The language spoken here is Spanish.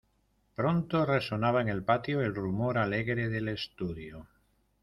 Pronto resonaba en el patio el rumor alegre del estudio.